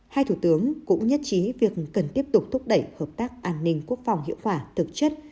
hai thủ tướng cũng nhất trí việc cần tiếp tục thúc đẩy hợp tác an ninh quốc phòng hiệu quả thực chất